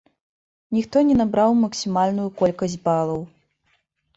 Ніхто не набраў максімальную колькасць балаў.